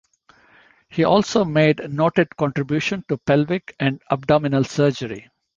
He also made noted contributions to pelvic and abdominal surgery.